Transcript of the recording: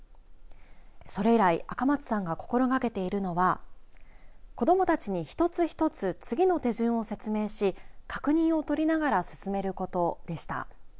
それ以来、赤松さんが心がけているのは子どもたちに一つ一つ次の手順を説明し確認を取りながら進めることでした。